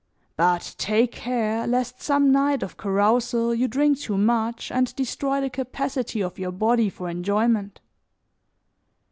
But take care lest some night of carousal you drink too much and destroy the capacity of your body for enjoyment.